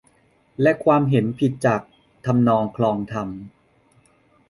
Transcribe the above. และความเห็นผิดจากทำนองคลองธรรม